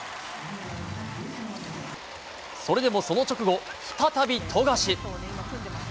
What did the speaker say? それでもその直後、再び富樫。